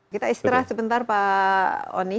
kita istirahat sebentar pak oni